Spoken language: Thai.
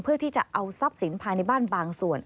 เพื่อที่จะเอาทรัพย์สินภายในบ้านบางส่วน